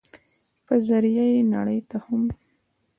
په ذريعه ئې نړۍ ته هم